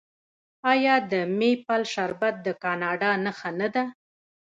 آیا د میپل شربت د کاناډا نښه نه ده؟